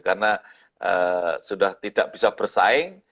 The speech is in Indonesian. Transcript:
karena sudah tidak bisa bersaing